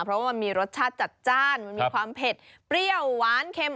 เพราะว่ามันมีรสชาติจัดจ้านมันมีความเผ็ดเปรี้ยวหวานเค็ม